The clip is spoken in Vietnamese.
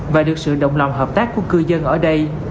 và được sự đồng lòng hợp tác của cư dân ở đây